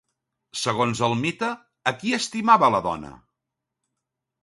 Segons el mite, a qui estimava la dona?